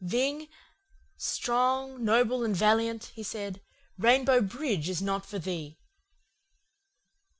"'Ving, strong, noble, and valiant,' he said, 'Rainbow Bridge is not for thee.